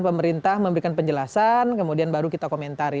pemerintah memberikan penjelasan kemudian baru kita komentari